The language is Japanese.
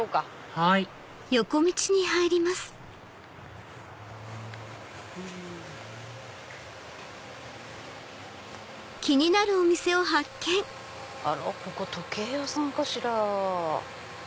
はいあらここ時計屋さんかしら。